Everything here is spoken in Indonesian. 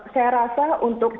saya rasa untuk